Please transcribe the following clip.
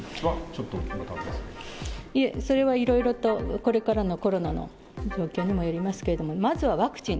いえ、それはいろいろと、これからのコロナの状況にもよりますけれども、まずはワクチン。